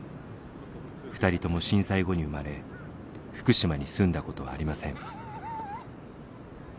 ２人とも震災後に生まれ福島に住んだことはありません。